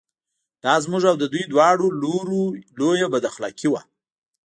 دا زموږ او د دوی دواړو لوریو لویه بد اخلاقي وه.